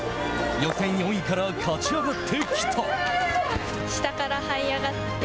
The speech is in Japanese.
予選４位から勝ち上がってきた。